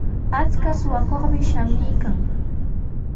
Akshu suqakuqmi shamuykan.